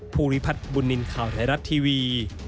ภูริพัฒน์บุญนินทร์ข่าวไทยรัฐทีวี